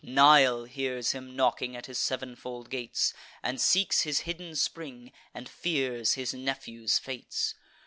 Nile hears him knocking at his sev'nfold gates, And seeks his hidden spring, and fears his nephew's fates.